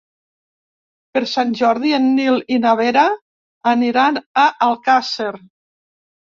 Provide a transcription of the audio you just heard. Per Sant Jordi en Nil i na Vera aniran a Alcàsser.